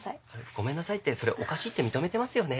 ごめんなさいってそれおかしいって認めてますよね。